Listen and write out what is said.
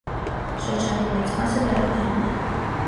Շրջանի մեծ մասը լեռնային է։